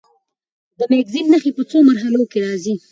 د مېګرین نښې په څو مرحلو کې راځي.